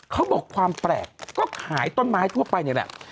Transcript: เขาบอกความแปลกก็ขายต้นไม้ทั่วไปนี่แหละ